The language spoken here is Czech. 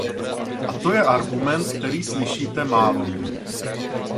A to je argument, který slyšíte málokdy.